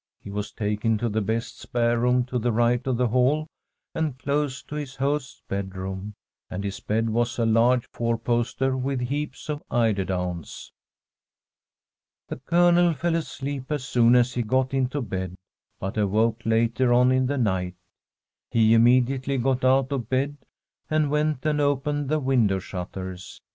He was taken to the best spare room to the right of the hall and close to his host's bedroom, and his bed was a large four poster, with heaps of eiderdowns. The Colonel fell asleep as soon as he got into bed, but awoke later on in the night. He imme diately got out of bed and went and opened the window shutters.